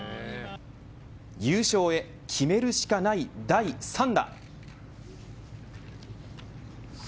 優勝へ決めるしかない第３打。